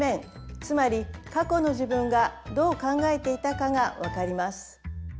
つまり過去の自分がどう考えていたかがわかります。